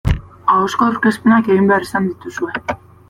Ahozko aurkezpenak egin behar izan dituzue.